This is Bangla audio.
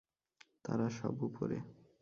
তারা সব উপরে!